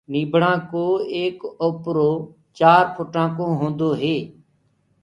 نيٚڀڙآ ڪو ايڪ اوپرو چآر ڦٽآ ڪو هونٚدو هي